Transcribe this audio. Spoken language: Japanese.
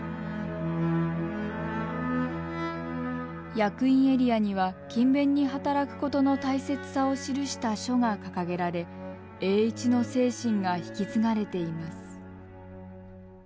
役員エリアには勤勉に働くことの大切さを記した書が掲げられ栄一の精神が引き継がれています。